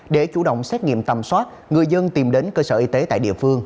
để chủ động xét nghiệm tầm soát người dân tìm đến cơ sở y tế tại địa phương